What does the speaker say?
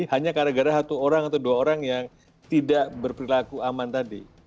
hanya gara gara satu orang atau dua orang yang tidak berperilaku aman tadi